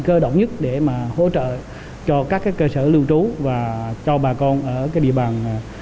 cơ động nhất để mà hỗ trợ cho các cơ sở lưu trú và cho bà con ở địa bàn